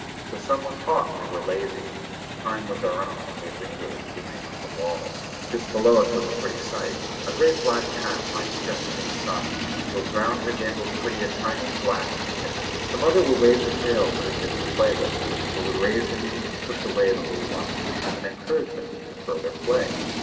The sun was hot and we were lazy; time was our own, and we lingered, leaning on the wall. Just below us was a pretty sight—a great black cat lying stretched in the sun, whilst round her gambolled prettily a tiny black kitten. The mother would wave her tail for the kitten to play with, or would raise her feet and push away the little one as an encouragement to further play.